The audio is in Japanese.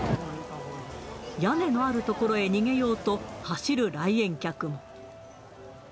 屋根がある所へ逃げようと、走る来園客も。